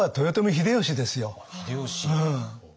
秀吉。